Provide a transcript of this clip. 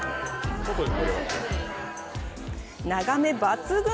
眺め抜群！